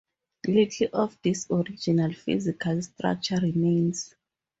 Little of this original physical structure remains.